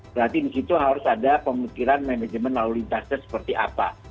berarti di situ harus ada pemikiran manajemen lalu lintasnya seperti apa